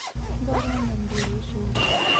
باران نن ډېر وشو